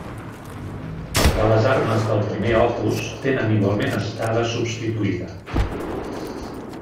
De les armes del primer opus tenen igualment estada substituïda.